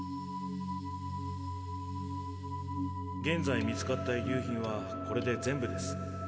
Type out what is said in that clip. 現在見つかった遺留品はこれで全部です。